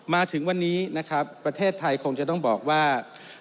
มาถึงวันนี้นะครับประเทศไทยคงจะต้องบอกว่า